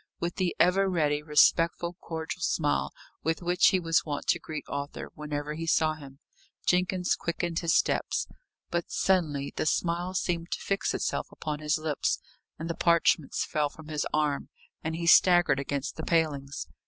With the ever ready, respectful, cordial smile with which he was wont to greet Arthur whenever he saw him, Jenkins quickened his steps. But suddenly the smile seemed to fix itself upon his lips; and the parchments fell from his arm, and he staggered against the palings.